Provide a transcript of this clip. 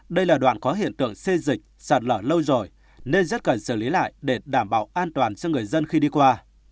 đây là đoạn có hiện tượng xê dịch sạt lở lâu rồi nên rất cần xử lý lại để đảm bảo an toàn cho người dân khi đi qua